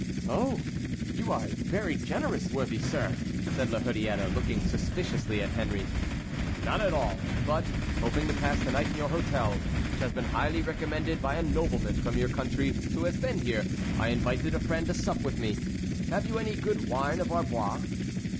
"Oh! you are very generous, worthy sir!" said La Hurière, looking suspiciously at Henry. "Not at all, but, hoping to pass the night in your hotel, which has been highly recommended by a nobleman from my county who has been here, I invited a friend to sup with me. Have you any good wine of Arbois?"